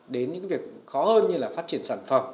đến những việc khó hơn như là phát triển sản phẩm